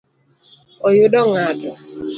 Oyudo ng’ato?